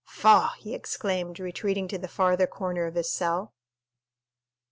"Faugh!" he exclaimed, retreating to the farther corner of his cell.